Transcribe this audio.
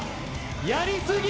やり過ぎ！